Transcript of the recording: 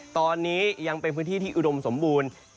ตอนนี้ยังเป็นพื้นที่ที่อุดมสมบูรณ์